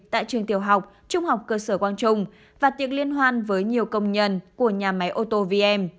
tại trường tiểu học trung học cơ sở quang trung và tiệc liên hoan với nhiều công nhân của nhà máy ô tô vm